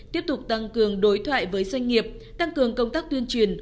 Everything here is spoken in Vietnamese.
tiếp tục tăng cường đối thoại với doanh nghiệp tăng cường công tác tuyên truyền